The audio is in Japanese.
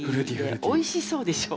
おいしそうでしょ？